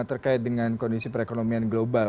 terkait dengan kondisi perekonomian global